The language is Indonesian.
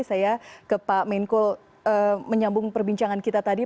saya ke pak menko menyambung perbincangan kita tadi